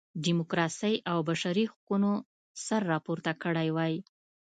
ډیموکراسۍ او بشري حقونو سر راپورته کړی وای.